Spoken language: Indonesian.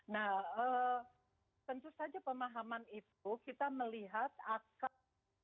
nah tentu saja pemahaman itu kita melihat akan